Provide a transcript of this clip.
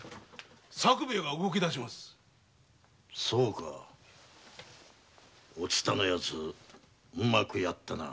そうかお蔦のヤツうまくやったな。